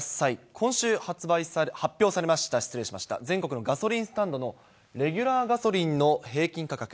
今週発表されました、失礼しました、全国のガソリンスタンドのレギュラーガソリンの平均価格。